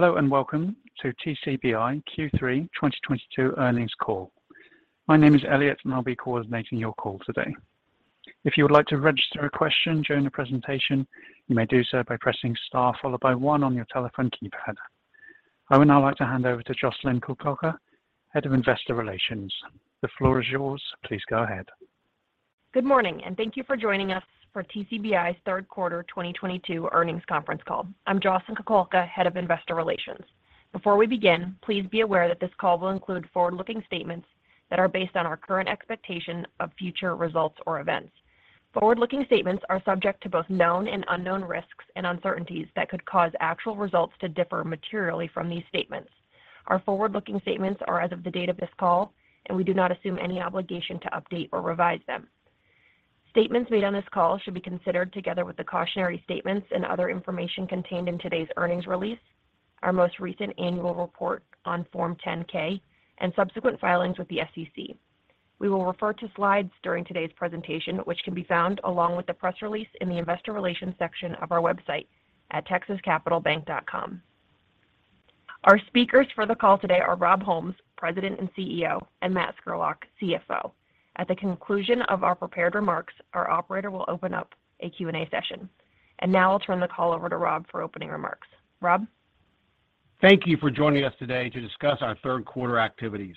Hello and welcome to TCBI Q3 2022 earnings call. My name is Elliot, and I'll be coordinating your call today. If you would like to register a question during the presentation, you may do so by pressing star followed by one on your telephone keypad. I would now like to hand over to Jocelyn Kukulka, Head of Investor Relations. The floor is yours. Please go ahead. Good morning, and thank you for joining us for TCBI's third quarter 2022 earnings conference call. I'm Jocelyn Kukulka, Head of Investor Relations. Before we begin, please be aware that this call will include forward-looking statements that are based on our current expectation of future results or events. Forward-looking statements are subject to both known and unknown risks and uncertainties that could cause actual results to differ materially from these statements. Our forward-looking statements are as of the date of this call, and we do not assume any obligation to update or revise them. Statements made on this call should be considered together with the cautionary statements and other information contained in today's earnings release, our most recent annual report on Form 10-K and subsequent filings with the SEC. We will refer to slides during today's presentation, which can be found along with the press release in the investor relations section of our website at texascapitalbank.com. Our speakers for the call today are Rob Holmes, President and CEO, and Matt Scurlock, CFO. At the conclusion of our prepared remarks, our operator will open up a Q&A session. Now I'll turn the call over to Rob for opening remarks. Rob. Thank you for joining us today to discuss our third quarter activities.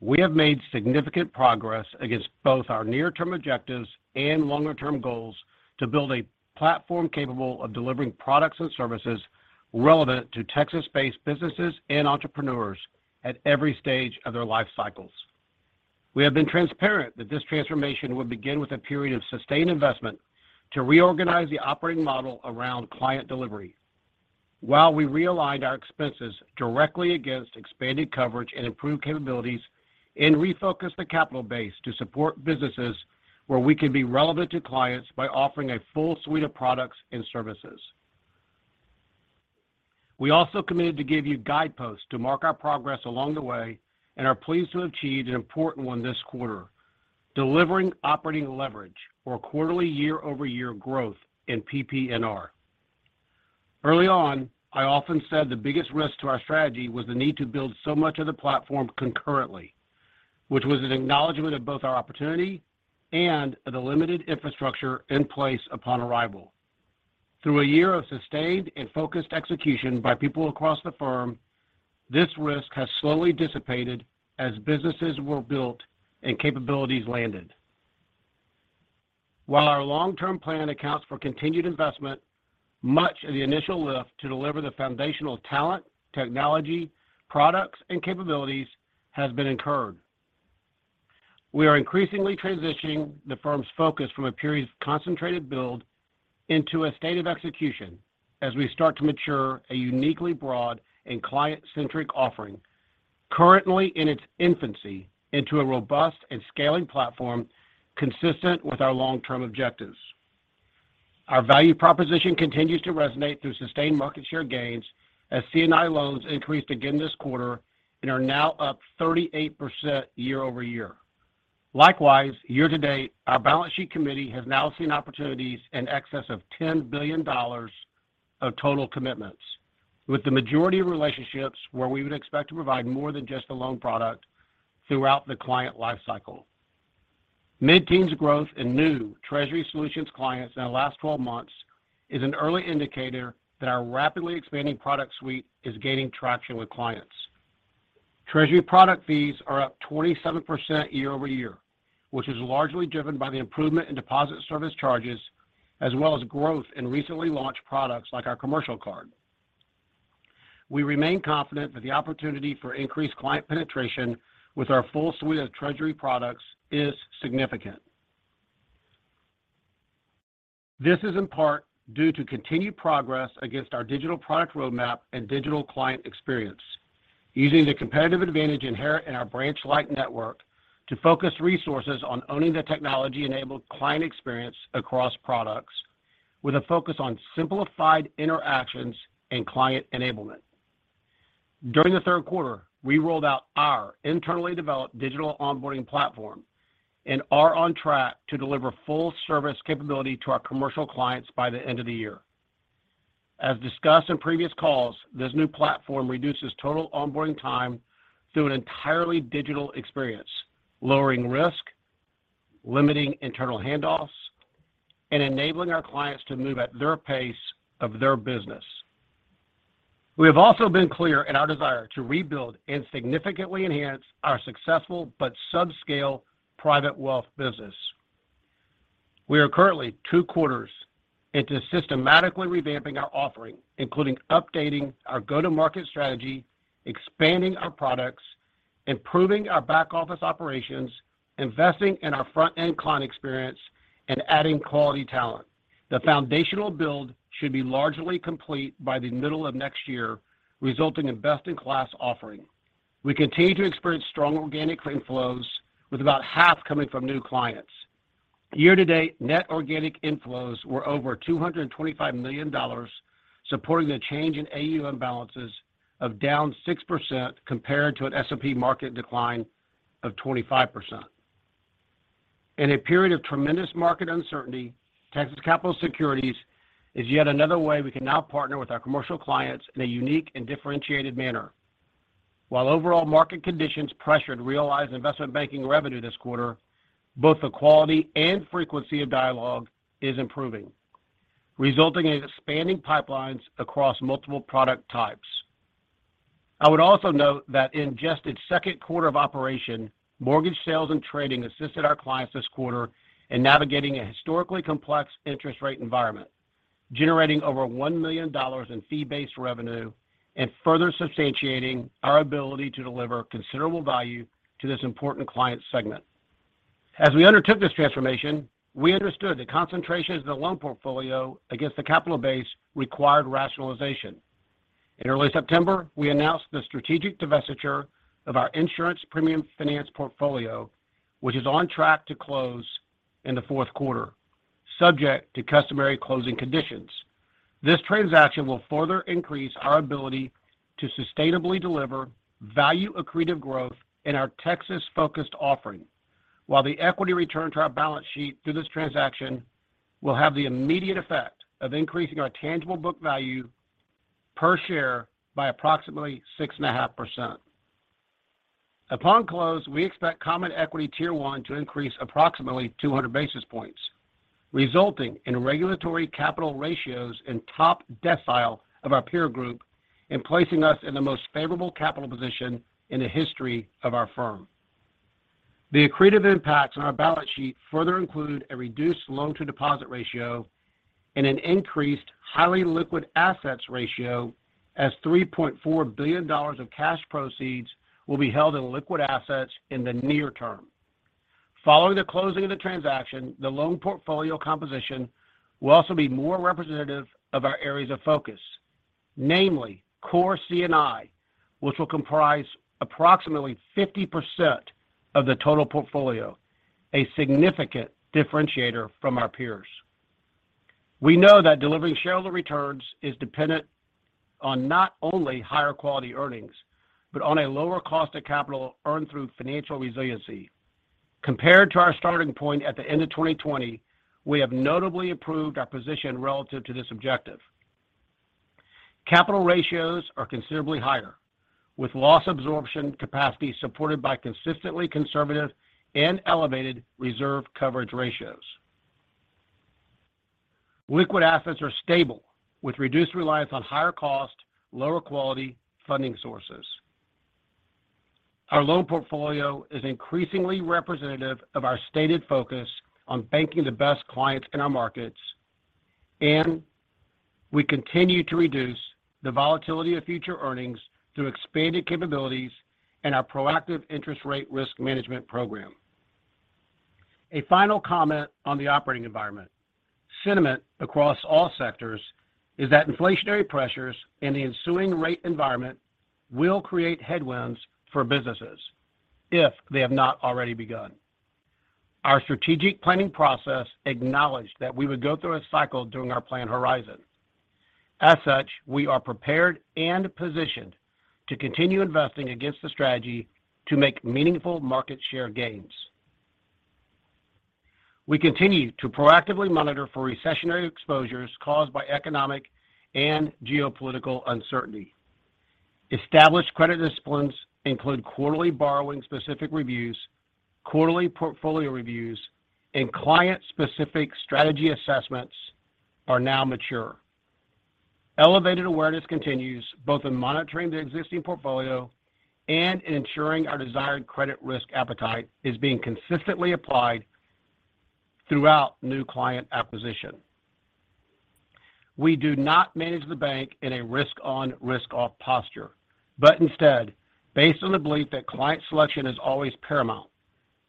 We have made significant progress against both our near-term objectives and longer-term goals to build a platform capable of delivering products and services relevant to Texas-based businesses and entrepreneurs at every stage of their life cycles. We have been transparent that this transformation would begin with a period of sustained investment to reorganize the operating model around client delivery, while we realigned our expenses directly against expanded coverage and improved capabilities and refocused the capital base to support businesses where we can be relevant to clients by offering a full suite of products and services. We also committed to give you guideposts to mark our progress along the way and are pleased to have achieved an important one this quarter, delivering operating leverage for quarterly year-over-year growth in PPNR. Early on, I often said the biggest risk to our strategy was the need to build so much of the platform concurrently, which was an acknowledgment of both our opportunity and the limited infrastructure in place upon arrival. Through a year of sustained and focused execution by people across the firm, this risk has slowly dissipated as businesses were built and capabilities landed. While our long-term plan accounts for continued investment, much of the initial lift to deliver the foundational talent, technology, products, and capabilities has been incurred. We are increasingly transitioning the firm's focus from a period of concentrated build into a state of execution as we start to mature a uniquely broad and client-centric offering currently in its infancy into a robust and scaling platform consistent with our long-term objectives. Our value proposition continues to resonate through sustained market share gains as C&I loans increased again this quarter and are now up 38% year-over-year. Likewise, year to date, our balance sheet committee has now seen opportunities in excess of $10 billion of total commitments, with the majority of relationships where we would expect to provide more than just a loan product throughout the client life cycle. Mid-teens growth in new treasury solutions clients in the last 12 months is an early indicator that our rapidly expanding product suite is gaining traction with clients. Treasury product fees are up 27% year-over-year, which is largely driven by the improvement in deposit service charges as well as growth in recently launched products like our commercial card. We remain confident that the opportunity for increased client penetration with our full suite of treasury products is significant. This is in part due to continued progress against our digital product roadmap and digital client experience, using the competitive advantage inherent in our branch-like network to focus resources on owning the technology-enabled client experience across products with a focus on simplified interactions and client enablement. During the third quarter, we rolled out our internally developed digital onboarding platform and are on track to deliver full service capability to our commercial clients by the end of the year. As discussed in previous calls, this new platform reduces total onboarding time through an entirely digital experience, lowering risk, limiting internal handoffs, and enabling our clients to move at their pace of their business. We have also been clear in our desire to rebuild and significantly enhance our successful but subscale private wealth business. We are currently two quarters into systematically revamping our offering, including updating our go-to-market strategy, expanding our products, improving our back-office operations, investing in our front-end client experience, and adding quality talent. The foundational build should be largely complete by the middle of next year, resulting in best-in-class offering. We continue to experience strong organic inflows, with about half coming from new clients. Year to date, net organic inflows were over $225 million, supporting a change in AUM balances of down 6% compared to an S&P market decline of 25%. In a period of tremendous market uncertainty, Texas Capital Securities is yet another way we can now partner with our commercial clients in a unique and differentiated manner. While overall market conditions pressured realized investment banking revenue this quarter, both the quality and frequency of dialogue is improving, resulting in expanding pipelines across multiple product types. I would also note that in just its second quarter of operation, mortgage sales and trading assisted our clients this quarter in navigating a historically complex interest rate environment, generating over $1 million in fee-based revenue and further substantiating our ability to deliver considerable value to this important client segment. As we undertook this transformation, we understood the concentration of the loan portfolio against the capital base required rationalization. In early September, we announced the strategic divestiture of our insurance premium finance portfolio, which is on track to close in the fourth quarter, subject to customary closing conditions. This transaction will further increase our ability to sustainably deliver value accretive growth in our Texas-focused offering. While the equity return to our balance sheet through this transaction will have the immediate effect of increasing our tangible book value per share by approximately 6.5%. Upon close, we expect common equity tier one to increase approximately 200 basis points, resulting in regulatory capital ratios in top decile of our peer group and placing us in the most favorable capital position in the history of our firm. The accretive impacts on our balance sheet further include a reduced loan to deposit ratio and an increased highly liquid assets ratio as $3.4 billion of cash proceeds will be held in liquid assets in the near term. Following the closing of the transaction, the loan portfolio composition will also be more representative of our areas of focus, namely core C&I, which will comprise approximately 50% of the total portfolio, a significant differentiator from our peers. We know that delivering shareholder returns is dependent on not only higher quality earnings, but on a lower cost of capital earned through financial resiliency. Compared to our starting point at the end of 2020, we have notably improved our position relative to this objective. Capital ratios are considerably higher, with loss absorption capacity supported by consistently conservative and elevated reserve coverage ratios. Liquid assets are stable, with reduced reliance on higher cost, lower quality funding sources. Our loan portfolio is increasingly representative of our stated focus on banking the best clients in our markets, and we continue to reduce the volatility of future earnings through expanded capabilities and our proactive interest rate risk management program. A final comment on the operating environment. Sentiment across all sectors is that inflationary pressures and the ensuing rate environment will create headwinds for businesses if they have not already begun. Our strategic planning process acknowledged that we would go through a cycle during our plan horizon. As such, we are prepared and positioned to continue investing against the strategy to make meaningful market share gains. We continue to proactively monitor for recessionary exposures caused by economic and geopolitical uncertainty. Established credit disciplines include quarterly borrower-specific reviews, quarterly portfolio reviews, and client-specific strategy assessments, are now mature. Elevated awareness continues both in monitoring the existing portfolio and ensuring our desired credit risk appetite is being consistently applied throughout new client acquisition. We do not manage the bank in a risk on, risk off posture, but instead based on the belief that client selection is always paramount,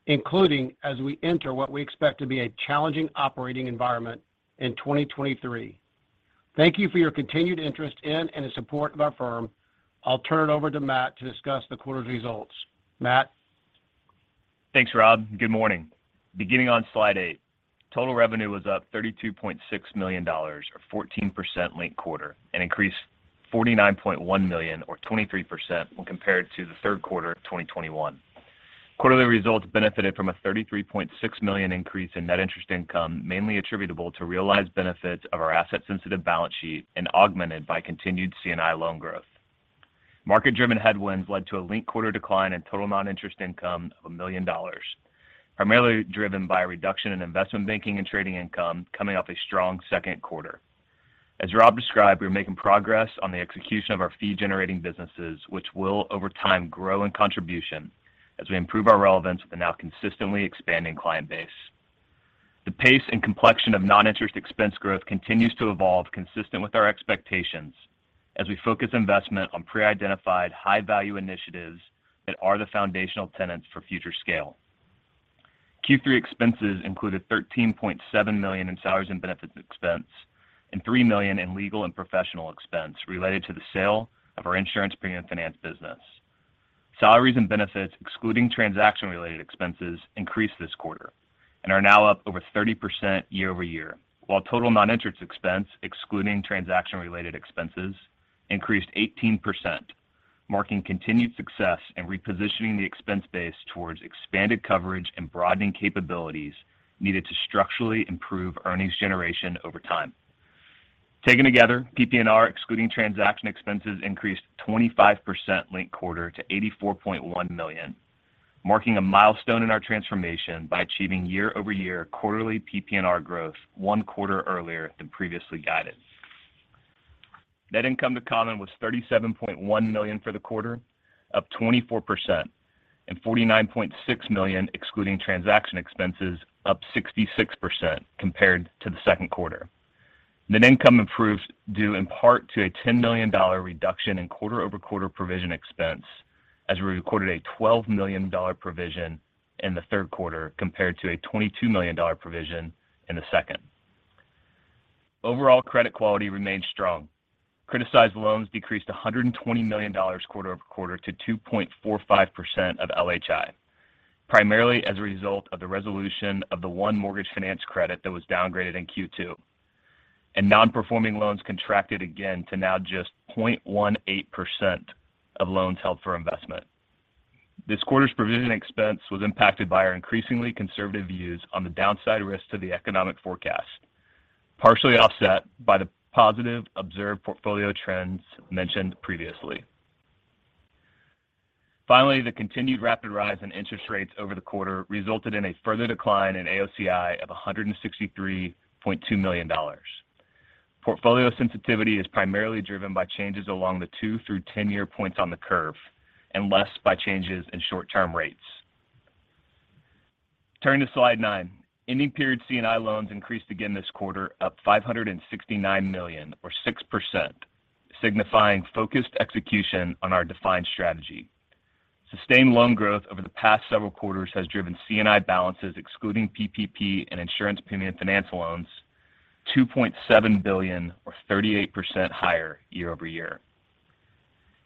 including as we enter what we expect to be a challenging operating environment in 2023. Thank you for your continued interest in and the support of our firm. I'll turn it over to Matt to discuss the quarter's results. Matt? Thanks, Rob. Good morning. Beginning on slide eight, total revenue was up $32.6 million, or 14% linked-quarter, an increase $49.1 million or 23% when compared to the third quarter of 2021. Quarterly results benefited from a $33.6 million increase in net interest income, mainly attributable to realized benefits of our asset sensitive balance sheet and augmented by continued C&I loan growth. Market-driven headwinds led to a linked-quarter decline in total non-interest income of $1 million, primarily driven by a reduction in investment banking and trading income coming off a strong second quarter. As Rob described, we are making progress on the execution of our fee generating businesses, which will over time grow in contribution as we improve our relevance with a now consistently expanding client base. The pace and complexion of non-interest expense growth continues to evolve consistent with our expectations as we focus investment on pre-identified high-value initiatives that are the foundational tenants for future scale. Q3 expenses included $13.7 million in salaries and benefits expense and $3 million in legal and professional expense related to the sale of our insurance premium finance business. Salaries and benefits, excluding transaction-related expenses, increased this quarter and are now up over 30% year-over-year. While total non-interest expense, excluding transaction-related expenses, increased 18%. Marking continued success in repositioning the expense base towards expanded coverage and broadening capabilities needed to structurally improve earnings generation over time. Taken together, PPNR excluding transaction expenses increased 25% linked quarter to $84.1 million, marking a milestone in our transformation by achieving year-over-year quarterly PPNR growth one quarter earlier than previously guided. Net income to common was $37.1 million for the quarter, up 24% and $49.6 million excluding transaction expenses, up 66% compared to the second quarter. Net income improved due in part to a $10 million reduction in quarter-over-quarter provision expense as we recorded a $12 million provision in the third quarter compared to a $22 million provision in the second. Overall credit quality remained strong. Criticized loans decreased $120 million quarter-over-quarter to 2.45% of LHI, primarily as a result of the resolution of the one mortgage finance credit that was downgraded in Q2. Non-performing loans contracted again to now just 0.18% of loans held for investment. This quarter's provision expense was impacted by our increasingly conservative views on the downside risks to the economic forecast, partially offset by the positive observed portfolio trends mentioned previously. Finally, the continued rapid rise in interest rates over the quarter resulted in a further decline in AOCI of $163.2 million. Portfolio sensitivity is primarily driven by changes along the two- through 10-year points on the curve and less by changes in short-term rates. Turning to slide nine. Ending period C&I loans increased again this quarter, up $569 million or 6%, signifying focused execution on our defined strategy. Sustained loan growth over the past several quarters has driven C&I balances excluding PPP and insurance premium finance loans, $2.7 billion or 38% higher year-over-year.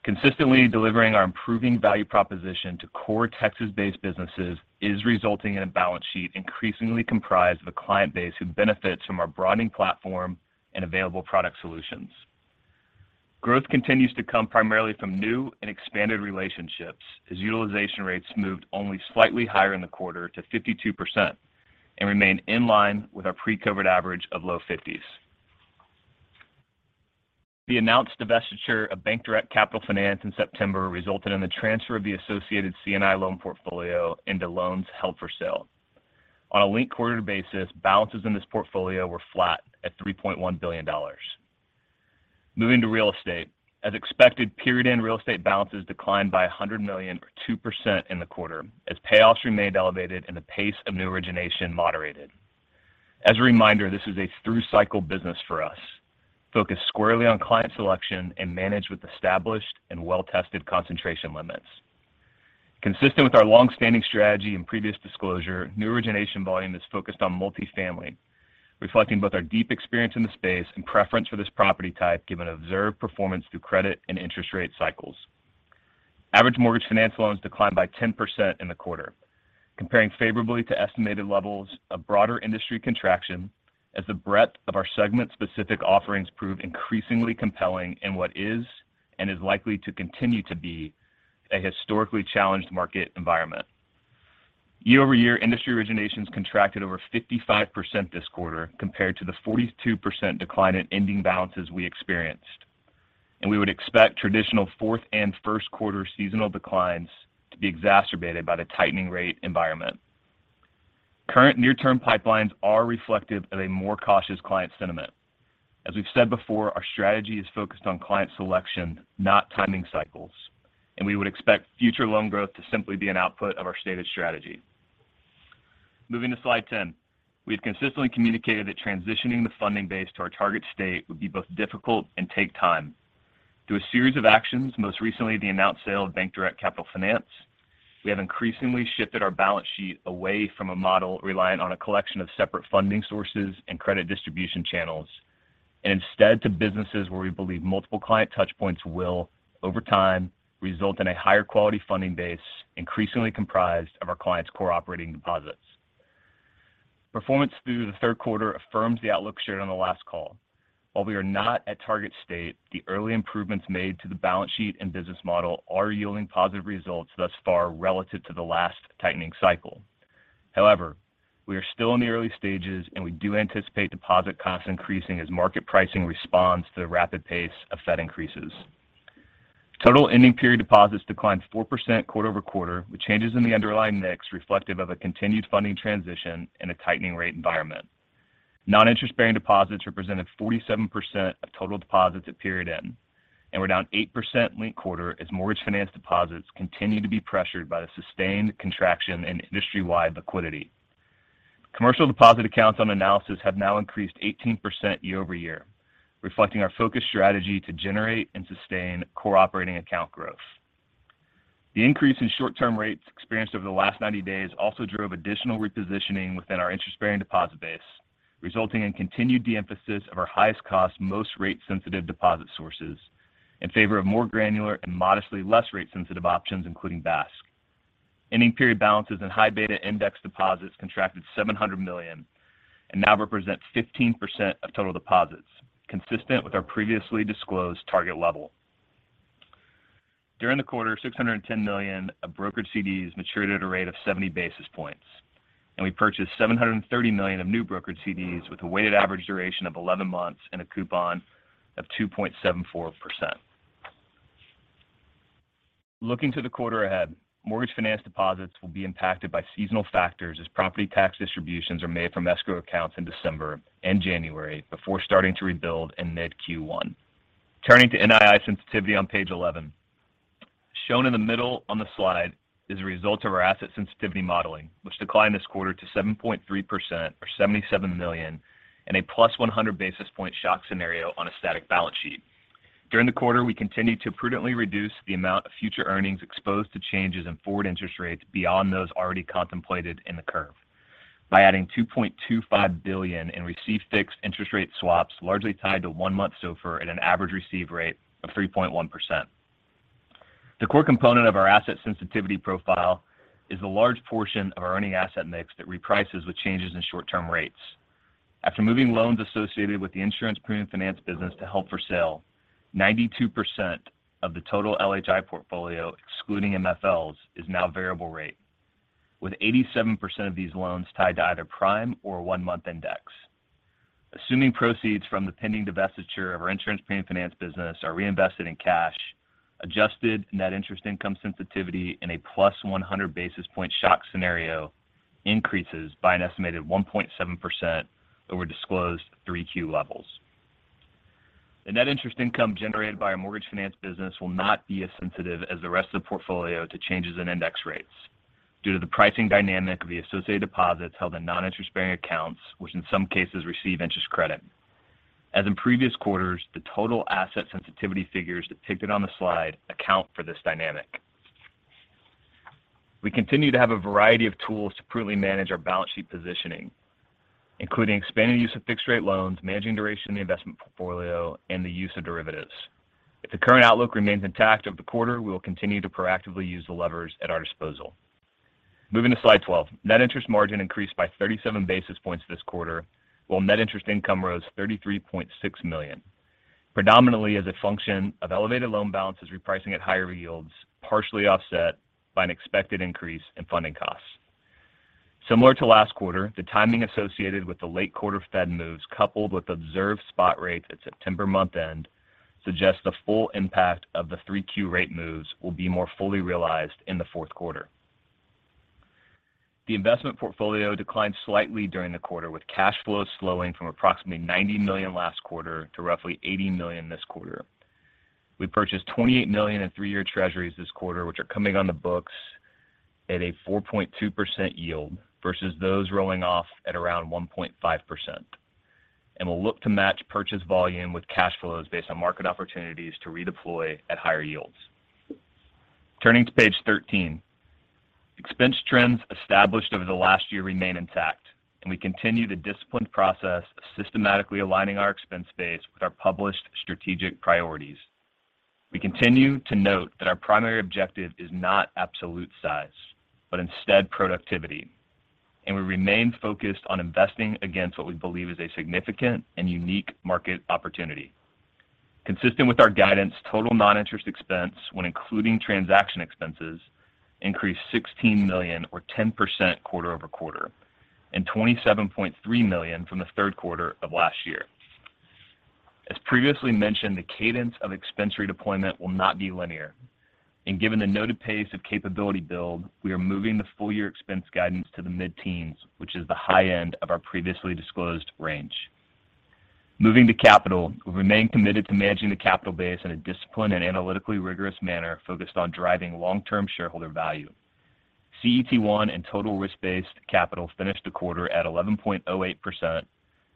Consistently delivering our improving value proposition to core Texas-based businesses is resulting in a balance sheet increasingly comprised of a client base who benefits from our broadening platform and available product solutions. Growth continues to come primarily from new and expanded relationships as utilization rates moved only slightly higher in the quarter to 52% and remain in line with our pre-COVID average of low 50s. The announced divestiture of BankDirect Capital Finance in September resulted in the transfer of the associated C&I loan portfolio into loans held for sale. On a linked quarter basis, balances in this portfolio were flat at $3.1 billion. Moving to real estate. As expected, period end real estate balances declined by $100 million or 2% in the quarter as payoffs remained elevated and the pace of new origination moderated. As a reminder, this is a through-cycle business for us, focused squarely on client selection and managed with established and well-tested concentration limits. Consistent with our long-standing strategy and previous disclosure, new origination volume is focused on multifamily, reflecting both our deep experience in the space and preference for this property type given observed performance through credit and interest rate cycles. Average mortgage finance loans declined by 10% in the quarter, comparing favorably to estimated levels of broader industry contraction as the breadth of our segment-specific offerings proved increasingly compelling in what is and is likely to continue to be a historically challenged market environment. Year-over-year, industry originations contracted over 55% this quarter compared to the 42% decline in ending balances we experienced. We would expect traditional fourth and first quarter seasonal declines to be exacerbated by the tightening rate environment. Current near-term pipelines are reflective of a more cautious client sentiment. As we've said before, our strategy is focused on client selection, not timing cycles, and we would expect future loan growth to simply be an output of our stated strategy. Moving to slide 10. We've consistently communicated that transitioning the funding base to our target state would be both difficult and take time. Through a series of actions, most recently the announced sale of BankDirect Capital Finance, we have increasingly shifted our balance sheet away from a model reliant on a collection of separate funding sources and credit distribution channels, and instead to businesses where we believe multiple client touch points will, over time, result in a higher quality funding base increasingly comprised of our clients' core operating deposits. Performance through the third quarter affirms the outlook shared on the last call. While we are not at target state, the early improvements made to the balance sheet and business model are yielding positive results thus far relative to the last tightening cycle. However, we are still in the early stages, and we do anticipate deposit costs increasing as market pricing responds to the rapid pace of Fed increases. Total ending period deposits declined 4% quarter-over-quarter, with changes in the underlying mix reflective of a continued funding transition in a tightening rate environment. Non-interest-bearing deposits represented 47% of total deposits at period end and were down 8% linked quarter as mortgage finance deposits continue to be pressured by the sustained contraction in industry-wide liquidity. Commercial deposit accounts on analysis have now increased 18% year-over-year, reflecting our focused strategy to generate and sustain core operating account growth. The increase in short-term rates experienced over the last 90 days also drove additional repositioning within our interest-bearing deposit base, resulting in continued de-emphasis of our highest cost, most rate-sensitive deposit sources in favor of more granular and modestly less rate-sensitive options, including BASC. Ending period balances and high beta index deposits contracted $700 million and now represent 15% of total deposits, consistent with our previously disclosed target level. During the quarter, $610 million of brokered CDs matured at a rate of 70 basis points, and we purchased $730 million of new brokered CDs with a weighted average duration of 11 months and a coupon of 2.74%. Looking to the quarter ahead, mortgage finance deposits will be impacted by seasonal factors as property tax distributions are made from escrow accounts in December and January before starting to rebuild in mid Q1. Turning to NII sensitivity on page 11. Shown in the middle on the slide is a result of our asset sensitivity modeling, which declined this quarter to 7.3% or $77 million in a +100 basis point shock scenario on a static balance sheet. During the quarter, we continued to prudently reduce the amount of future earnings exposed to changes in forward interest rates beyond those already contemplated in the curve by adding $2.25 billion in received fixed interest rate swaps, largely tied to one-month SOFR at an average receive rate of 3.1%. The core component of our asset sensitivity profile is the large portion of our earning asset mix that reprices with changes in short-term rates. After moving loans associated with the insurance premium finance business to held for sale, 92% of the total LHI portfolio, excluding MFLs, is now variable rate, with 87% of these loans tied to either prime or one-month index. Assuming proceeds from the pending divestiture of our insurance premium finance business are reinvested in cash, adjusted net interest income sensitivity in a +100 basis points shock scenario increases by an estimated 1.7% over disclosed 3Q levels. The net interest income generated by our mortgage finance business will not be as sensitive as the rest of the portfolio to changes in index rates due to the pricing dynamic of the associated deposits held in non-interest-bearing accounts, which in some cases receive interest credit. As in previous quarters, the total asset sensitivity figures depicted on the slide account for this dynamic. We continue to have a variety of tools to prudently manage our balance sheet positioning, including expanding use of fixed-rate loans, managing duration in the investment portfolio, and the use of derivatives. If the current outlook remains intact over the quarter, we will continue to proactively use the levers at our disposal. Moving to slide 12. Net interest margin increased by 37 basis points this quarter, while net interest income rose $33.6 million, predominantly as a function of elevated loan balances repricing at higher yields, partially offset by an expected increase in funding costs. Similar to last quarter, the timing associated with the late quarter Fed moves, coupled with observed spot rates at September month-end, suggests the full impact of the three Q rate moves will be more fully realized in the fourth quarter. The investment portfolio declined slightly during the quarter, with cash flows slowing from approximately $90 million last quarter to roughly $80 million this quarter. We purchased $28 million in three-year treasuries this quarter, which are coming on the books at a 4.2% yield versus those rolling off at around 1.5%. We'll look to match purchase volume with cash flows based on market opportunities to redeploy at higher yields. Turning to page 13. Expense trends established over the last year remain intact, and we continue the disciplined process of systematically aligning our expense base with our published strategic priorities. We continue to note that our primary objective is not absolute size, but instead productivity, and we remain focused on investing against what we believe is a significant and unique market opportunity. Consistent with our guidance, total non-interest expense, when including transaction expenses, increased $16 million or 10% quarter-over-quarter and $27.3 million from the third quarter of last year. As previously mentioned, the cadence of expense redeployment will not be linear, and given the noted pace of capability build, we are moving the full year expense guidance to the mid-teens, which is the high end of our previously disclosed range. Moving to capital. We remain committed to managing the capital base in a disciplined and analytically rigorous manner focused on driving long-term shareholder value. CET1 and total risk-based capital finished the quarter at 11.08%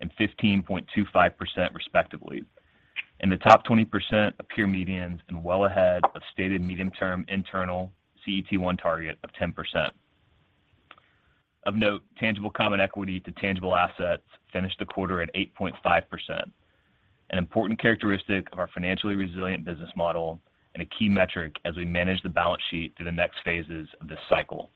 and 15.25% respectively in the top 20% of peer medians and well ahead of stated medium-term internal CET1 target of 10%. Of note, tangible common equity to tangible assets finished the quarter at 8.5%, an important characteristic of our financially resilient business model and a key metric as we manage the balance sheet through the next phases of this cycle.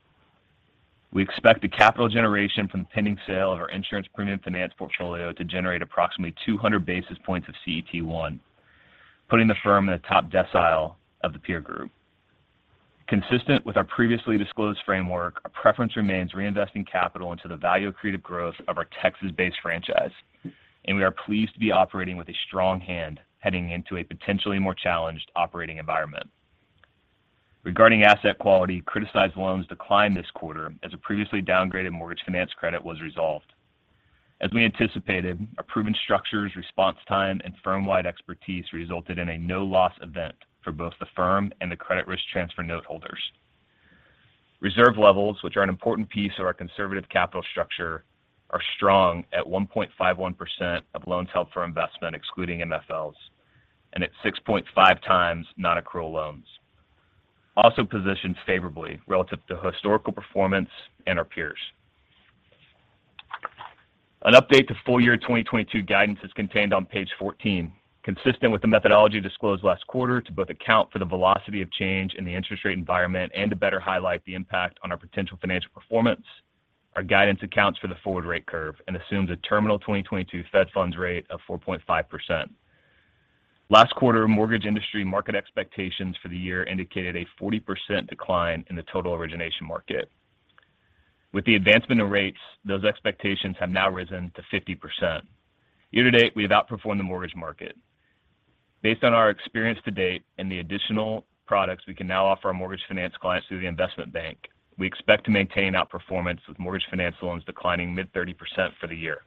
We expect the capital generation from the pending sale of our insurance premium finance portfolio to generate approximately 200 basis points of CET1, putting the firm in the top decile of the peer group. Consistent with our previously disclosed framework, our preference remains reinvesting capital into the value-accretive growth of our Texas-based franchise, and we are pleased to be operating with a strong hand heading into a potentially more challenged operating environment. Regarding asset quality, criticized loans declined this quarter as a previously downgraded mortgage finance credit was resolved. As we anticipated, our proven structures, response time, and firm-wide expertise resulted in a no loss event for both the firm and the credit risk transfer note holders. Reserve levels, which are an important piece of our conservative capital structure, are strong at 1.51% of loans held for investment excluding MFLs and at 6.5x non-accrual loans, also positioned favorably relative to historical performance and our peers. An update to full year 2022 guidance is contained on page 14. Consistent with the methodology disclosed last quarter to both account for the velocity of change in the interest rate environment and to better highlight the impact on our potential financial performance, our guidance accounts for the forward rate curve and assumes a terminal 2022 Fed funds rate of 4.5%. Last quarter, mortgage industry market expectations for the year indicated a 40% decline in the total origination market. With the advancement of rates, those expectations have now risen to 50%. Year to date, we've outperformed the mortgage market. Based on our experience to date and the additional products we can now offer our mortgage finance clients through the investment bank, we expect to maintain outperformance with mortgage finance loans declining mid-30% for the year.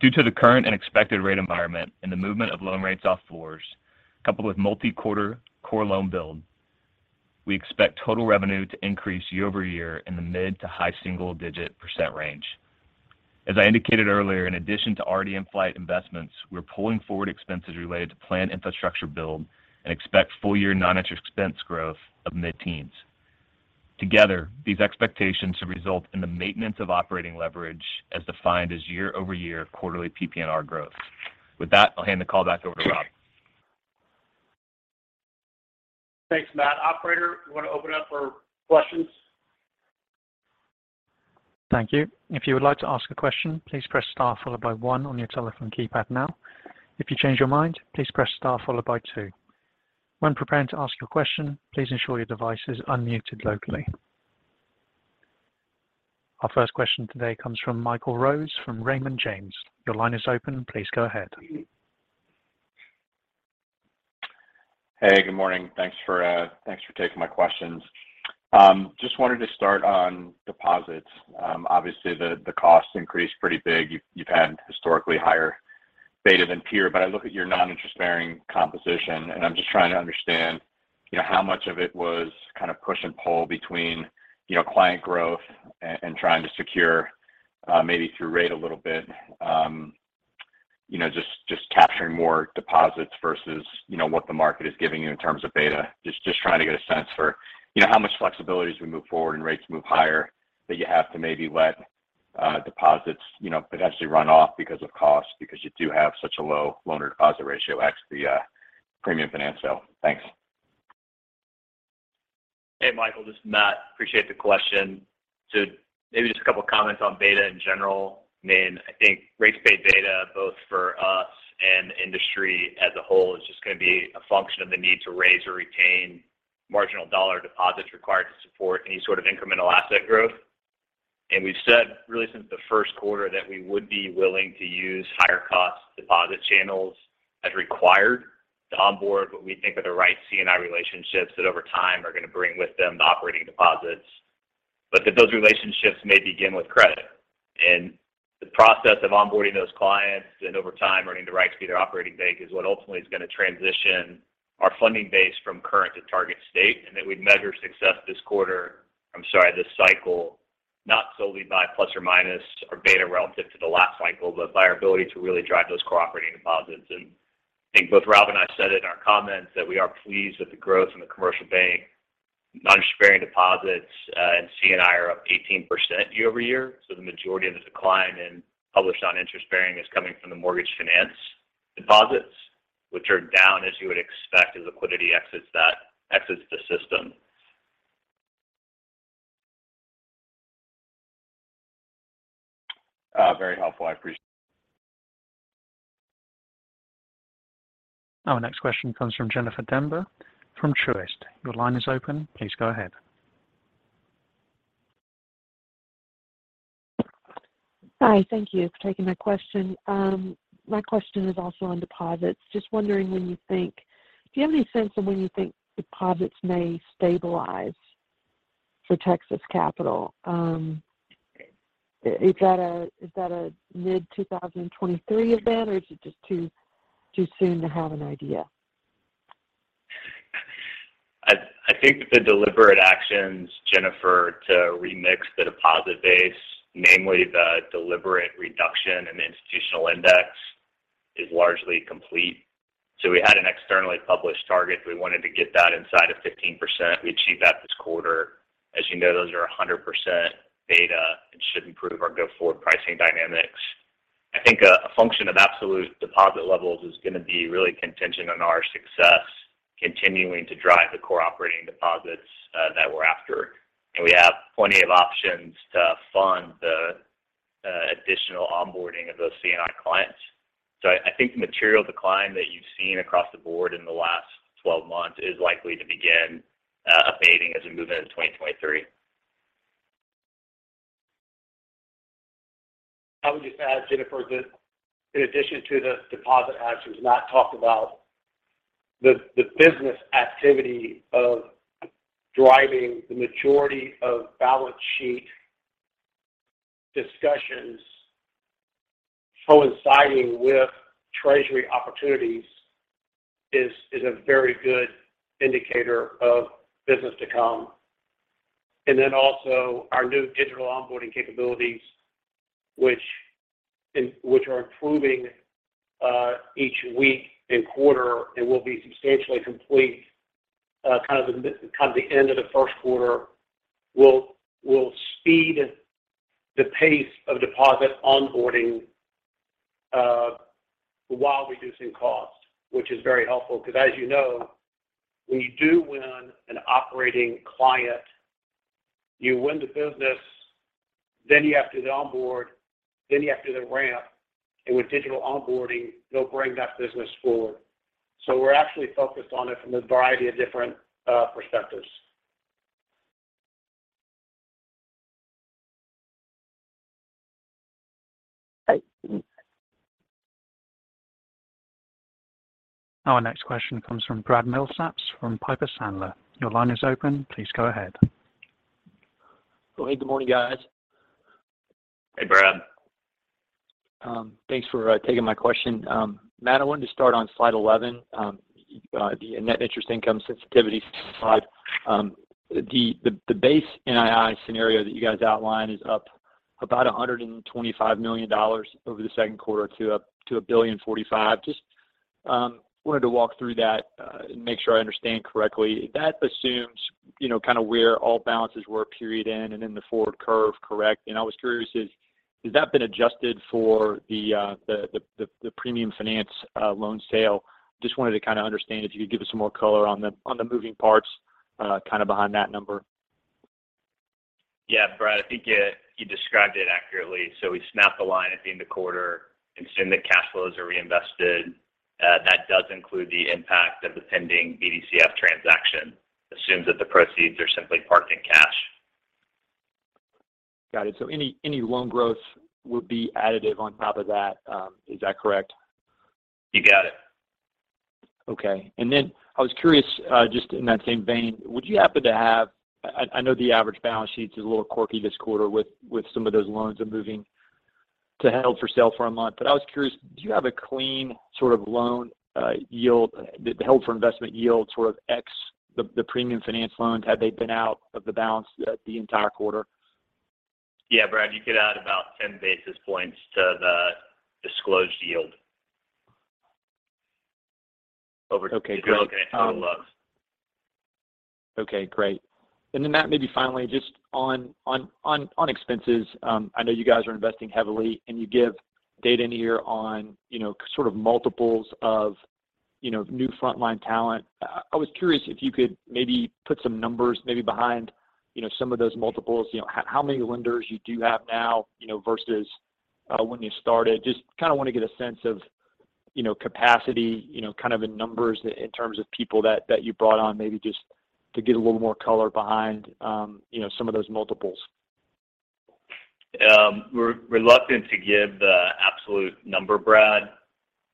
Due to the current and expected rate environment and the movement of loan rates off floors, coupled with multi-quarter core loan build, we expect total revenue to increase year-over-year in the mid- to high-single-digit % range. As I indicated earlier, in addition to already in-flight investments, we're pulling forward expenses related to planned infrastructure build and expect full year non-interest expense growth of mid-teens. Together, these expectations should result in the maintenance of operating leverage as defined as year-over-year quarterly PPNR growth. With that, I'll hand the call back over to Rob. Thanks, Matt. Operator, we want to open up for questions. Thank you. If you would like to ask a question, please press star followed by one on your telephone keypad now. If you change your mind, please press star followed by two. When preparing to ask your question, please ensure your device is unmuted locally. Our first question today comes from Michael Rose from Raymond James. Your line is open. Please go ahead. Hey, good morning. Thanks for taking my questions. Just wanted to start on deposits. Obviously the cost increase pretty big. You've had historically higher beta than peer, but I look at your non-interest-bearing composition, and I'm just trying to understand, you know, how much of it was kind of push and pull between, you know, client growth and trying to secure maybe through rate a little bit, you know, just capturing more deposits versus, you know, what the market is giving you in terms of beta. Just trying to get a sense for, you know, how much flexibility as we move forward and rates move higher that you have to maybe let deposits, you know, potentially run off because of cost because you do have such a low loan-to-deposit ratio, ex the premium finance sale. Thanks. Hey, Michael, this is Matt. Appreciate the question. Maybe just a couple of comments on beta in general. I mean, I think rates-paid beta both for us and industry as a whole is just going to be a function of the need to raise or retain marginal dollar deposits required to support any sort of incremental asset growth. We've said really since the first quarter that we would be willing to use higher cost deposit channels as required to onboard what we think are the right C&I relationships that over time are going to bring with them the operating deposits. That those relationships may begin with credit. The process of onboarding those clients and over time earning the right to be their operating bank is what ultimately is going to transition our funding base from current to target state, and that we'd measure success this cycle, not solely by plus or minus our beta relative to the last cycle, but by our ability to really drive those core deposits. I think both Rob and I said it in our comments that we are pleased with the growth in the commercial bank. Non-interest-bearing deposits and C&I are up 18% year-over-year, so the majority of the decline in published non-interest-bearing is coming from the mortgage finance deposits, which are down as you would expect as liquidity exits the system. Very helpful. I appreciate. Our next question comes from Jennifer Giacché from Truist. Your line is open. Please go ahead. Hi. Thank you for taking my question. My question is also on deposits. Do you have any sense of when you think deposits may stabilize for Texas Capital? Is that a mid-2023 event or is it just too soon to have an idea? I think the deliberate actions, Jennifer, to remix the deposit base, namely the deliberate reduction in the institutional index, is largely complete. We had an externally published target. We wanted to get that inside of 15%. We achieved that this quarter. As you know, those are 100% beta and should improve our go-forward pricing dynamics. I think a function of absolute deposit levels is going to be really contingent on our success continuing to drive the core operating deposits that we're after. We have plenty of options to fund the additional onboarding of those C&I clients. I think the material decline that you've seen across the board in the last 12 months is likely to begin abating as we move into 2023. I would just add, Jennifer, that in addition to the deposit actions Matt talked about, the business activity of driving the majority of balance sheet discussions coinciding with treasury opportunities is a very good indicator of business to come. Our new digital onboarding capabilities, which are improving each week and quarter and will be substantially complete. Kind of the end of the first quarter will speed the pace of deposit onboarding while reducing costs, which is very helpful. Because as you know, when you do win an operating client, you win the business, then you have to onboard, then you have to do the ramp. With digital onboarding, they'll bring that business forward. We're actually focused on it from a variety of different perspectives. I. Our next question comes from Brad Milsaps from Piper Sandler. Your line is open. Please go ahead. Oh, hey. Good morning, guys. Hey, Brad. Thanks for taking my question. Matt, I wanted to start on slide 11, the net interest income sensitivity slide. The base NII scenario that you guys outlined is up about $125 million over the second quarter to up to $1.045 billion. Just wanted to walk through that and make sure I understand correctly. That assumes, you know, kind of where all balances were period-end and in the forward curve. Correct? I was curious, has that been adjusted for the premium finance loan sale? Just wanted to kind of understand if you could give us some more color on the moving parts kind of behind that number. Yeah, Brad, I think you described it accurately. We snapped the line at the end of the quarter and assume that cash flows are reinvested. That does include the impact of the pending BDCF transaction, assumes that the proceeds are simply parked in cash. Got it. Any loan growth would be additive on top of that. Is that correct? You got it. Okay. I was curious, just in that same vein. I know the average balance sheet is a little quirky this quarter with some of those loans are moving to held for sale for a month, but I was curious, do you have a clean sort of loan yield, the held for investment yield sort of ex the premium finance loans, had they been out of the balance sheet the entire quarter? Yeah. Brad, you could add about 10 basis points to the disclosed yield. Okay, great. Over to the loans. Okay, great. Matt, maybe finally just on expenses. I know you guys are investing heavily and you give data in here on, you know, sort of multiples of, you know, new frontline talent. I was curious if you could maybe put some numbers maybe behind, you know, some of those multiples. You know, how many lenders you do have now, you know, versus when you started. Just kind of want to get a sense of, you know, capacity, you know, kind of in numbers in terms of people that you brought on maybe just to get a little more color behind, you know, some of those multiples. We're reluctant to give the absolute number, Brad,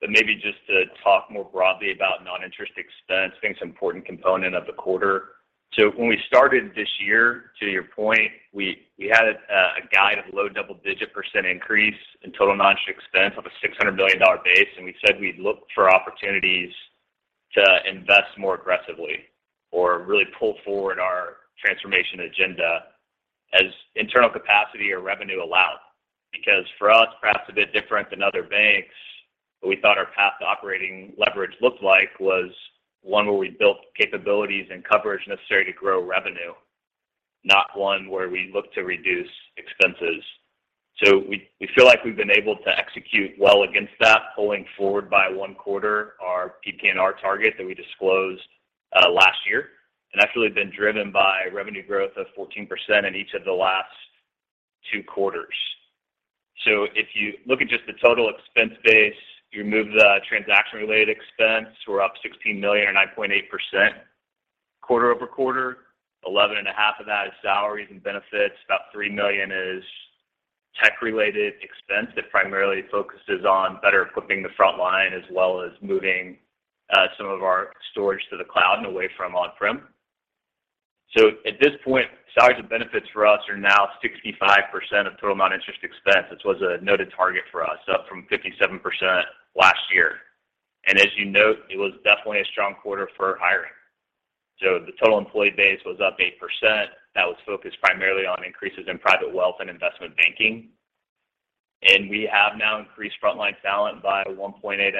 but maybe just to talk more broadly about non-interest expense. Think it's an important component of the quarter. When we started this year, to your point, we had a guide of low double-digit % increase in total non-interest expense of a $600 million base. We said we'd look for opportunities to invest more aggressively or really pull forward our transformation agenda as internal capacity or revenue allowed. Because for us, perhaps a bit different than other banks, but we thought our path to operating leverage looked like was one where we built capabilities and coverage necessary to grow revenue, not one where we look to reduce expenses. We feel like we've been able to execute well against that, pulling forward by one quarter our PPNR target that we disclosed last year. Actually been driven by revenue growth of 14% in each of the last two quarters. If you look at just the total expense base, you remove the transaction-related expense, we're up $16 million or 9.8% quarter-over-quarter. 11.5 of that is salaries and benefits. About $3 million is tech-related expense that primarily focuses on better equipping the front line, as well as moving some of our storage to the cloud and away from on-prem. At this point, salaries and benefits for us are now 65% of total non-interest expense, which was a noted target for us, up from 57% last year. As you note, it was definitely a strong quarter for hiring. The total employee base was up 8%. That was focused primarily on increases in private wealth and investment banking. We have now increased frontline talent by 1.8x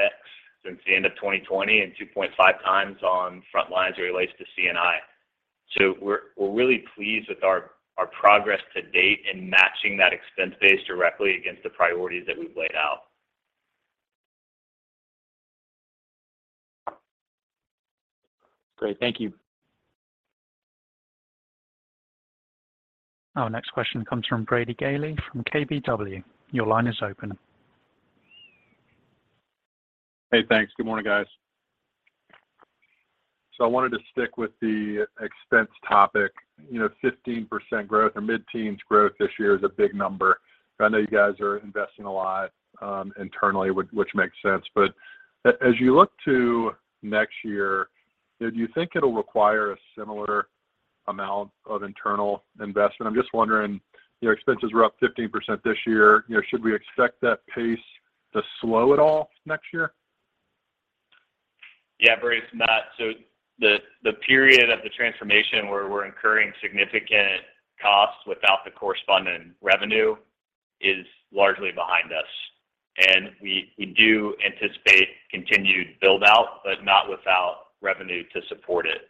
since the end of 2020 and 2.5x on front lines as it relates to C&I. We're really pleased with our progress to date in matching that expense base directly against the priorities that we've laid out. Great. Thank you. Our next question comes from Brady Gailey from KBW. Your line is open. Hey, thanks. Good morning, guys. I wanted to stick with the expense topic. You know, 15% growth or mid-teens growth this year is a big number. I know you guys are investing a lot internally, which makes sense. As you look to next year, do you think it'll require a similar amount of internal investment? I'm just wondering, you know, expenses were up 15% this year. You know, should we expect that pace to slow at all next year? Yeah, Brady, it's Matt. The period of the transformation where we're incurring significant costs without the corresponding revenue Is largely behind us. We do anticipate continued build out, but not without revenue to support it.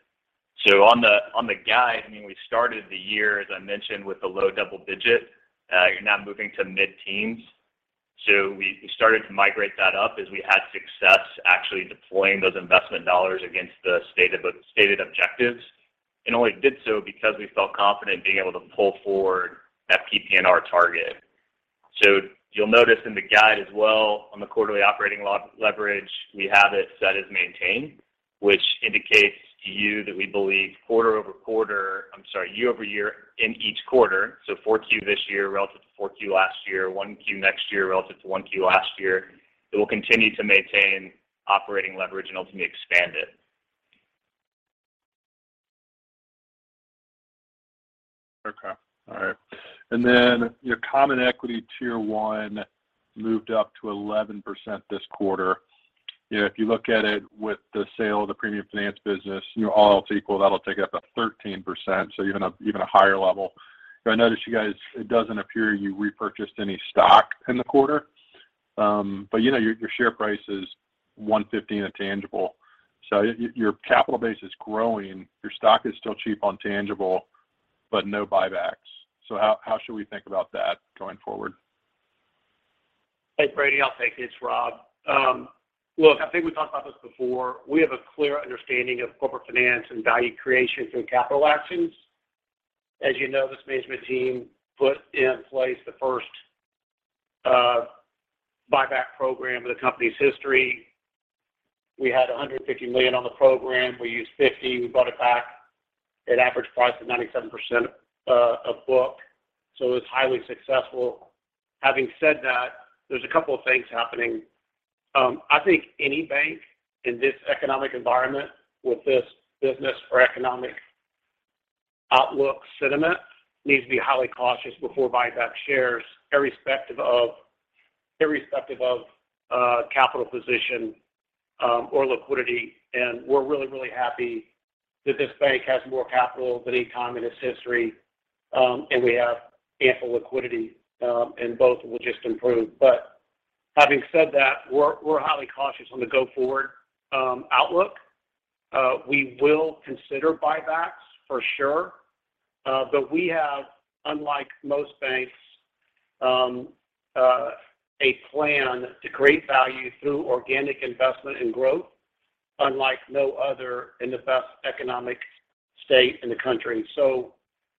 On the guide, I mean, we started the year, as I mentioned, with the low double digit. You're now moving to mid-teens. We started to migrate that up as we had success actually deploying those investment dollars against the stated objectives. Only did so because we felt confident being able to pull forward that PPNR target. You'll notice in the guide as well on the quarterly operating leverage, we have it set as maintain, which indicates to you that we believe year-over-year in each quarter, 4Q this year relative to 4Q last year, 1Q next year relative to 1Q last year, it will continue to maintain operating leverage and ultimately expand it. Okay. All right. Then your common equity tier one moved up to 11% this quarter. You know, if you look at it with the sale of the premium finance business, you know, all else equal, that'll take it up to 13%. Even a higher level. I noticed you guys, it doesn't appear you repurchased any stock in the quarter. You know, your share price is $150 in a tangible. Your capital base is growing. Your stock is still cheap on tangible, but no buybacks. How should we think about that going forward? Hey, Brady. I'll take it. It's Rob. Look, I think we talked about this before. We have a clear understanding of corporate finance and value creation through capital actions. As you know, this management team put in place the first buyback program in the company's history. We had $150 million on the program. We used $50 million. We bought it back at average price of 97% of book. It was highly successful. Having said that, there's a couple of things happening. I think any bank in this economic environment with this business or economic outlook sentiment needs to be highly cautious before buyback shares, irrespective of capital position or liquidity. We're really, really happy that this bank has more capital than any time in its history, and we have ample liquidity, and both will just improve. Having said that, we're highly cautious on the go-forward outlook. We will consider buybacks for sure. But we have, unlike most banks, a plan to create value through organic investment and growth, unlike no other in the best economic state in the country.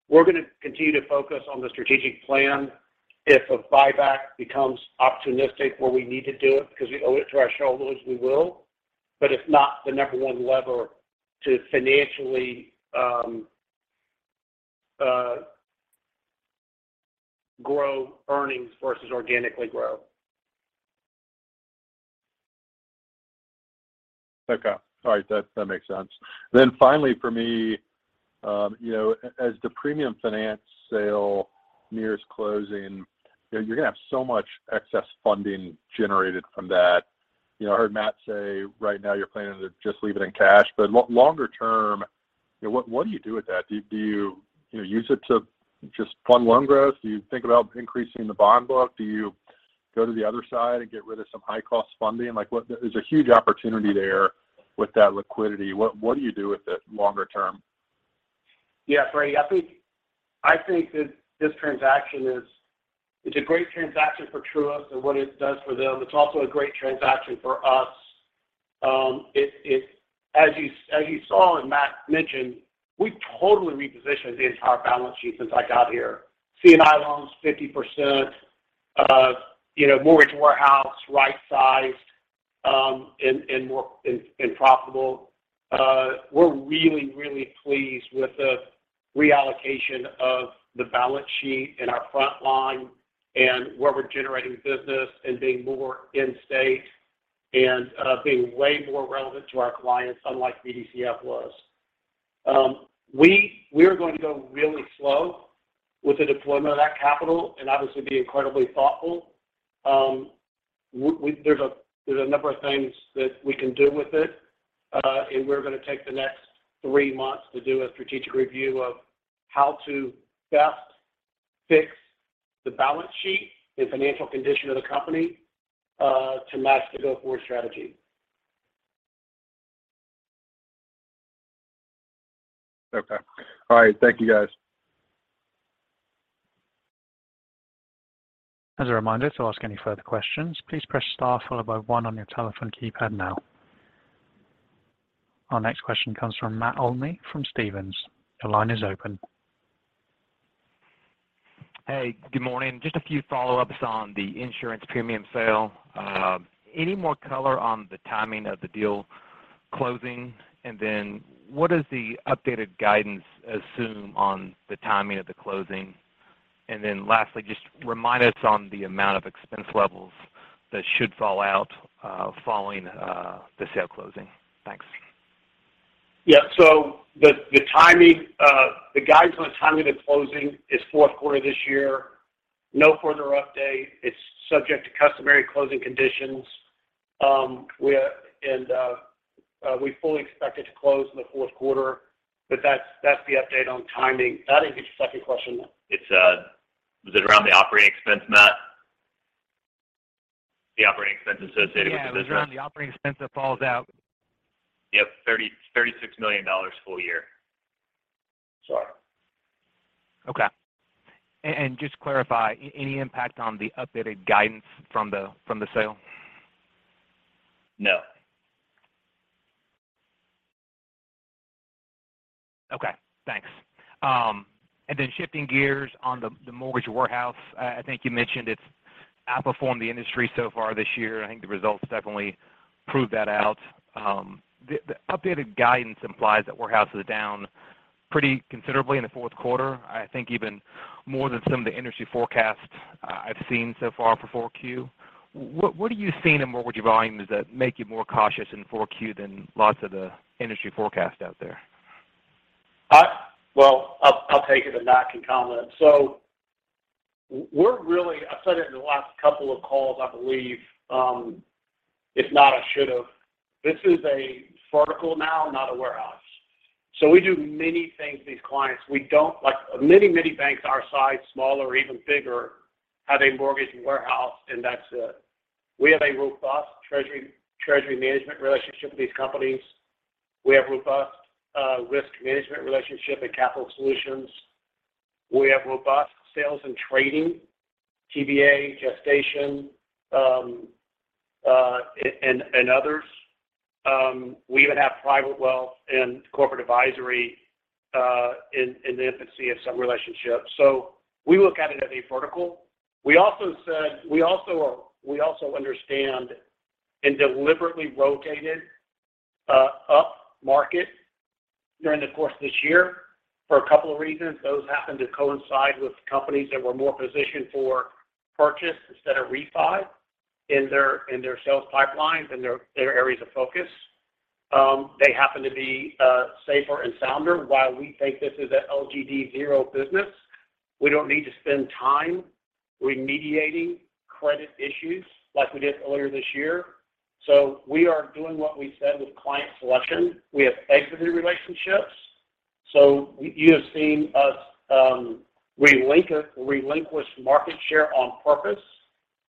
We're gonna continue to focus on the strategic plan. If a buyback becomes opportunistic where we need to do it because we owe it to our shareholders, we will. It's not the number one lever to financially grow earnings versus organically grow. Okay. All right. That makes sense. Finally for me, you know, as the premium finance sale nears closing, you know, you're going to have so much excess funding generated from that. You know, I heard Matt say right now you're planning to just leave it in cash. Longer term, you know, what do you do with that? Do you know, use it to just fund loan growth? Do you think about increasing the bond book? Do you go to the other side and get rid of some high-cost funding? Like, what? There's a huge opportunity there with that liquidity. What do you do with it longer term? Yeah. Brady, I think that this transaction is. It's a great transaction for Truist and what it does for them. It's also a great transaction for us. It, as you saw and Matt mentioned, we totally repositioned the entire balance sheet since I got here. C&I loans, 50%. You know, mortgage warehouse, right sized, and more profitable. We're really pleased with the reallocation of the balance sheet in our front line and where we're generating business and being more in-state and being way more relevant to our clients, unlike BDCF was. We're going to go really slow with the deployment of that capital and obviously be incredibly thoughtful. There's a number of things that we can do with it, and we're going to take the next three months to do a strategic review of how to best fix the balance sheet and financial condition of the company, to match the go-forward strategy. Okay. All right. Thank you, guys. As a reminder, to ask any further questions, please press star followed by one on your telephone keypad now. Our next question comes from Matt Olney from Stephens. Your line is open. Hey, good morning. Just a few follow-ups on the insurance premium sale. Any more color on the timing of the deal closing? What does the updated guidance assume on the timing of the closing? Lastly, just remind us on the amount of expense levels that should fall out following the sale closing. Thanks. Yeah, the timing, the guidance on the timing of the closing is fourth quarter this year. No further update. It's subject to customary closing conditions. We fully expect it to close in the fourth quarter, but that's the update on timing. I think it's the second question. It's, was it around the operating expense, Matt? The operating expense associated with the business. Yeah, it was around the operating expense that falls out. Yep. $36 million full year. Sorry. Okay. Just to clarify, any impact on the updated guidance from the sale? No. Okay. Thanks. Shifting gears on the mortgage warehouse. I think you mentioned it's outperformed the industry so far this year. I think the results definitely prove that out. The updated guidance implies that warehouse is down pretty considerably in the fourth quarter. I think even more than some of the industry forecasts I've seen so far for 4Q. What are you seeing in mortgage volumes that make you more cautious in 4Q than lots of the industry forecasts out there? Well, I'll take it, and Matt can comment. I've said it in the last couple of calls, I believe, if not I should have. This is a vertical now, not a warehouse. We do many things with these clients. Like many banks our size, smaller or even bigger, have a mortgage warehouse, and that's it. We have a robust treasury management relationship with these companies. We have robust risk management relationship and capital solutions. We have robust sales and trading, TBA, gestation, and others. We even have private wealth and corporate advisory in the infancy of some relationships. We look at it as a vertical. We also understand and deliberately rotated upmarket during the course of this year for a couple of reasons. Those happened to coincide with companies that were more positioned for purchase instead of refi in their sales pipelines and their areas of focus. They happen to be safer and sounder. While we think this is an LGD zero business, we don't need to spend time remediating credit issues like we did earlier this year. We are doing what we said with client selection. We have faith in these relationships. You have seen us relinquish market share on purpose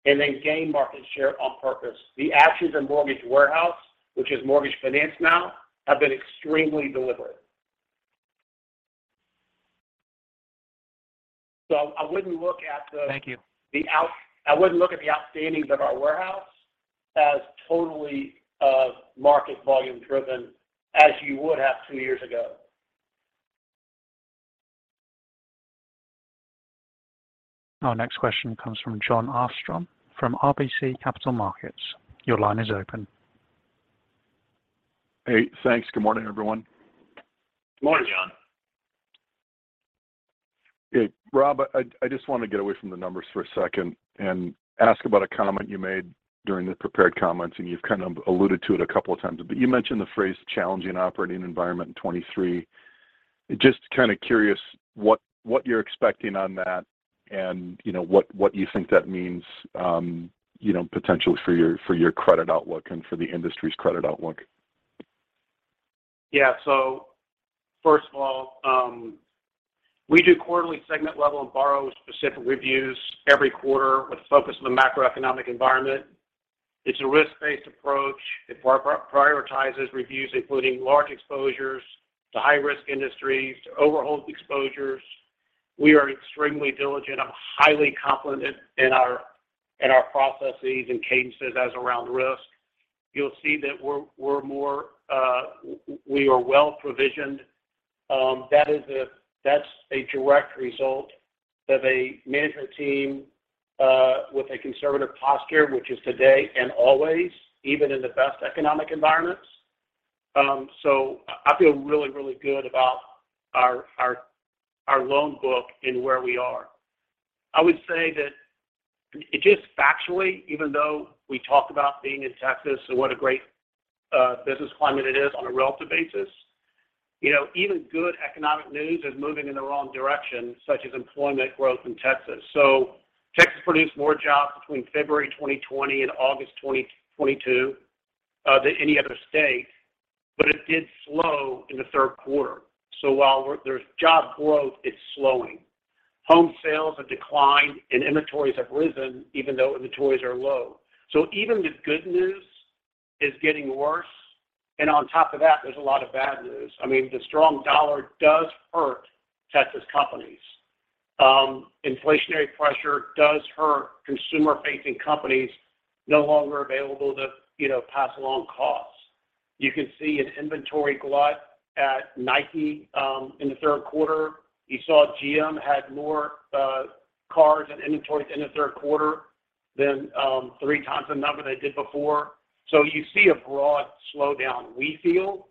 and then gain market share on purpose. The actions in mortgage warehouse, which is mortgage finance now, have been extremely deliberate. I wouldn't look at the Thank you. I wouldn't look at the outstandings of our warehouse as totally market volume driven as you would have two years ago. Our next question comes from Jon Arfstrom from RBC Capital Markets. Your line is open. Hey, thanks. Good morning, everyone. Good morning, Jon Arfstrom. Hey, Rob. I just want to get away from the numbers for a second and ask about a comment you made during the prepared comments, and you've kind of alluded to it a couple of times. You mentioned the phrase challenging operating environment in 2023. Just kind of curious what you're expecting on that and, you know, what you think that means, you know, potentially for your credit outlook and for the industry's credit outlook. Yeah. First of all, we do quarterly segment-level and borrower-specific reviews every quarter with a focus on the macroeconomic environment. It's a risk-based approach. It prioritizes reviews, including large exposures to high-risk industries, to overall exposures. We are extremely diligent. I'm highly confident in our processes and cadences around risk. You'll see that we are well provisioned. That's a direct result of a management team with a conservative posture, which is today and always, even in the best economic environments. I feel really good about our loan book and where we are. I would say that just factually, even though we talk about being in Texas and what a great business climate it is on a relative basis, you know, even good economic news is moving in the wrong direction, such as employment growth in Texas. Texas produced more jobs between February 2020 and August 2022 than any other state, but it did slow in the third quarter. While there's job growth, it's slowing. Home sales have declined, and inventories have risen even though inventories are low. Even the good news is getting worse. On top of that, there's a lot of bad news. I mean, the strong dollar does hurt Texas companies. Inflationary pressure does hurt consumer-facing companies no longer available to, you know, pass along costs. You can see an inventory glut at Nike in the third quarter. You saw GM had more cars and inventories in the third quarter than three times the number they did before. You see a broad slowdown, we feel,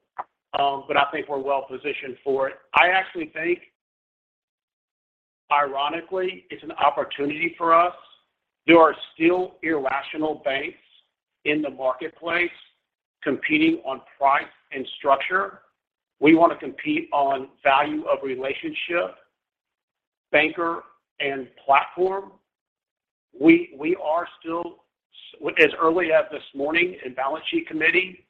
but I think we're well positioned for it. I actually think, ironically, it's an opportunity for us. There are still irrational banks in the marketplace competing on price and structure. We want to compete on value of relationship, banker and platform. We are still, as early as this morning in balance sheet committee,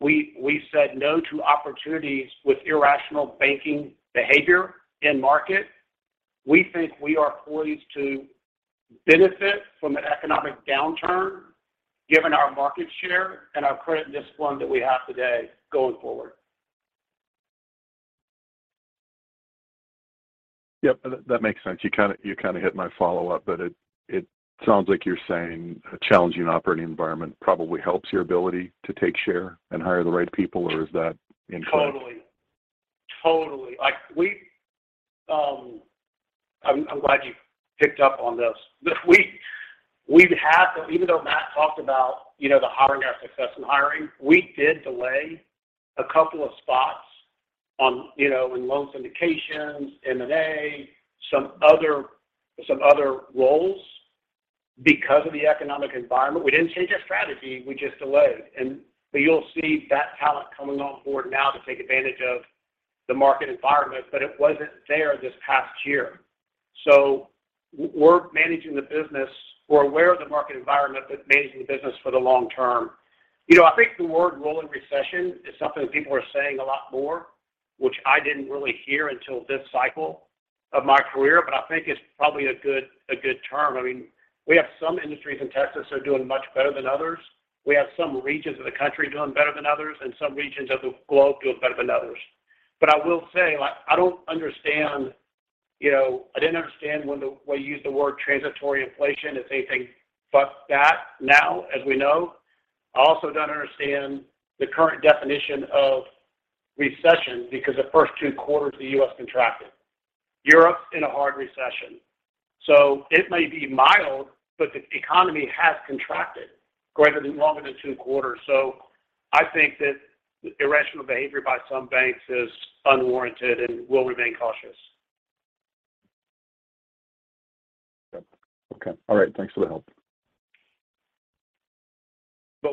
we said no to opportunities with irrational banking behavior in market. We think we are poised to benefit from an economic downturn given our market share and our credit discipline that we have today going forward. Yep, that makes sense. You kinda hit my follow-up. It sounds like you're saying a challenging operating environment probably helps your ability to take share and hire the right people, or is that incorrect? Totally. Like we're glad you picked up on this. We've had to even though Matt talked about, you know, the hiring, our success in hiring, we did delay a couple of spots on, you know, in loan syndications, M&A, some other roles because of the economic environment. We didn't change our strategy, we just delayed. You'll see that talent coming on board now to take advantage of the market environment, but it wasn't there this past year. We're managing the business. We're aware of the market environment, but managing the business for the long term. You know, I think the word rolling recession is something that people are saying a lot more, which I didn't really hear until this cycle of my career, but I think it's probably a good term. I mean, we have some industries in Texas that are doing much better than others. We have some regions of the country doing better than others and some regions of the globe doing better than others. I will say, like I don't understand, you know, I didn't understand when you used the word transitory inflation is anything but that now, as we know. I also don't understand the current definition of recession because the first two quarters of the U.S. contracted. Europe's in a hard recession. It may be mild, but the economy has contracted greater than, longer than two quarters. I think that irrational behavior by some banks is unwarranted and we'll remain cautious. Okay. All right. Thanks for the help.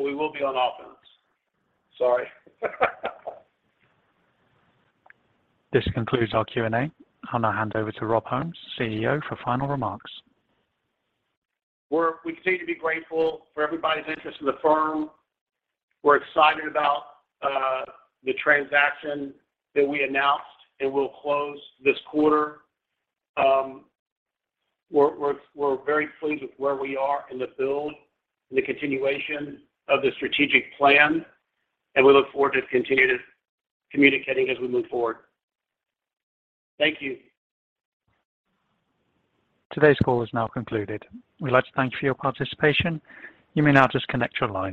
We will be on offense. Sorry. This concludes our Q&A. I'll now hand over to Rob Holmes, CEO, for final remarks. We continue to be grateful for everybody's interest in the firm. We're excited about the transaction that we announced, and we'll close this quarter. We're very pleased with where we are in the build and the continuation of the strategic plan, and we look forward to continue to communicating as we move forward. Thank you. Today's call is now concluded. We'd like to thank you for your participation. You may now disconnect your line.